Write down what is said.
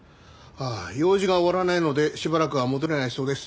用事が終わらないのでしばらくは戻れないそうです。